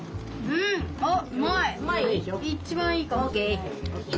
うまい？